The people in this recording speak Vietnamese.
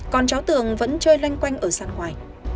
còn cháu tường vẫn chơi lanh quanh ở sàn ngoài